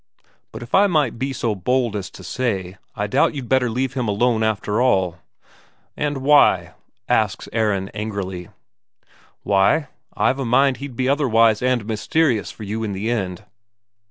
But if I might be so bold as to say, I doubt you'd better leave him alone, after all." "And why?" asks Aron angrily. "Why? I've a mind he'd be overwise and mysterious for you in the end."